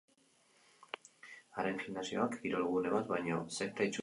Haren gimnasioak, kirol gune bat baino, sekta itxura zuen.